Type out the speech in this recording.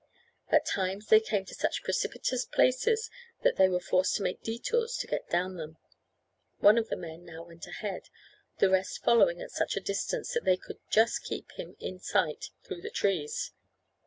At times they came to such precipitous places that they were forced to make detours to get down them. One of the men now went ahead, the rest following at such a distance that they could just keep him in sight through the trees.